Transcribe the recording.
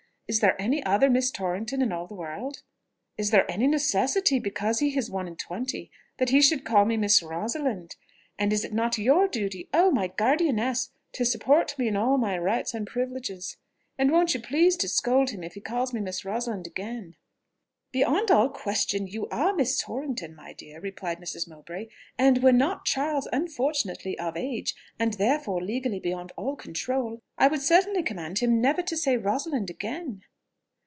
Is there any other Miss Torrington in all the world?... Is there any necessity, because he is one and twenty, that he should call me Miss Rosalind?... And is it not your duty, oh! my guardianess! to support me in all my rights and privileges? And won't you please to scold him if he calls me Miss Rosalind again?" "Beyond all question you are Miss Torrington, my dear," replied Mrs. Mowbray; "and were not Charles unfortunately of age, and therefore legally beyond all control, I would certainly command him never to say Rosalind again."